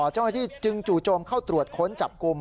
เจ้าหน้าที่จึงจู่โจมเข้าตรวจค้นจับกลุ่ม